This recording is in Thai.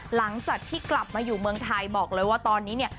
หลังจากที่กลับมาอยู่เมืองไทยบอกเลยว่าตอนนี้เนี่ย